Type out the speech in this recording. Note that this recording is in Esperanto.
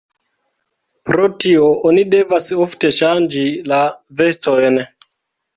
Pro tio oni devas ofte ŝanĝi la vestojn.